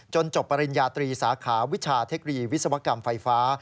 จบปริญญาตรีสาขาวิชาเทคโนโลยีวิศวกรรมไฟฟ้า